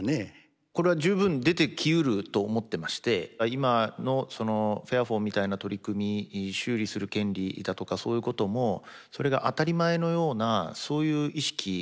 これは十分出てきうると思ってまして今のそのフェアフォンみたいな取り組み修理する権利だとかそういうこともそれが当たり前のようなそういう意識が根づけばですね